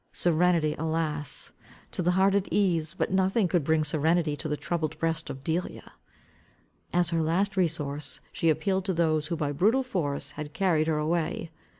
Serenity, alas! to the heart at ease, but nothing could bring serenity to the troubled breast of Delia. As her last resource, she appealed to those who by brutal force had carried her away.